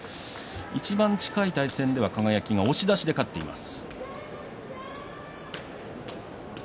いちばん近い対戦では輝が押し出しで勝っています。